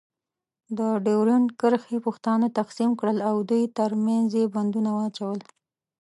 د ډیورنډ کرښې پښتانه تقسیم کړل. او دوی ترمنځ یې بندونه واچول.